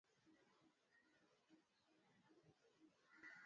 Batoto bote ba taenda asubui kwa kambo yabo